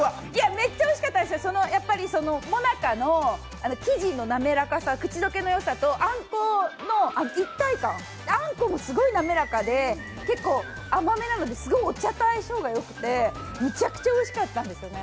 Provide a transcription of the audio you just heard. めっちゃおいしかったです、最中の生地のなめらかさ、口溶けのよさとあんこの一体感、あんこもすごい滑らかで甘めなのですごいお茶と相性がよくてめちゃくちゃおいしかったんですよね。